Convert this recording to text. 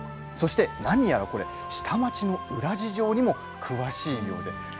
そして何やら下町の裏事情にも詳しいようです。